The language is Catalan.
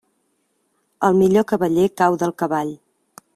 El millor cavaller cau del cavall.